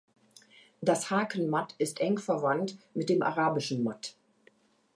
Das Hakenmatt ist eng verwandt mit dem arabischen Matt.